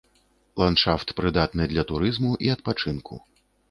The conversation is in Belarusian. Ландшафт прыдатны для турызму і адпачынку.